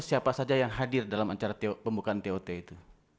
siapa saja yang hadir dalam acara pembukaan tot itu